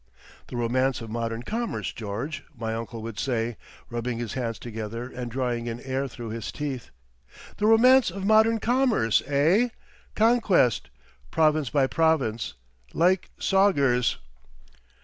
"The romance of modern commerce, George!" my uncle would say, rubbing his hands together and drawing in air through his teeth. "The romance of modern commerce, eh? Conquest. Province by province. Like sogers."